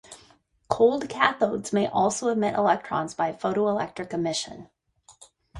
Cold cathodes may also emit electrons by photoelectric emission.